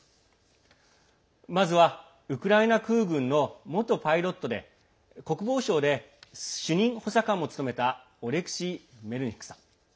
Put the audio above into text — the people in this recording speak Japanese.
まずは、ウクライナ空軍の元パイロットで国防省で主任補佐官も務めたオレクシー・メルニックさん。